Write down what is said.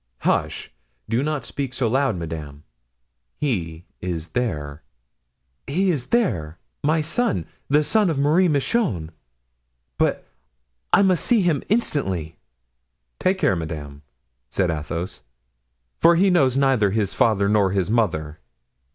"Hush! do not speak so loud, madame; he is there." "He is there! my son! the son of Marie Michon! But I must see him instantly." "Take care, madame," said Athos, "for he knows neither his father nor his mother."